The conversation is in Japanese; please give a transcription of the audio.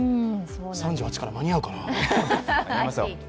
３８から間に合うかな。